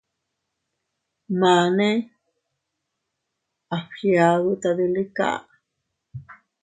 Mane a fgiadu tadilika.